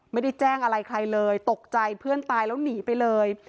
ไม่ได้แจ้งอะไรใครเลยตกใจเพื่อนตายแล้วหนีไปเลย